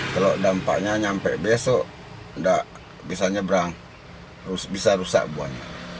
kalau dampaknya sampai besok tidak bisa nyebrang bisa rusak buangnya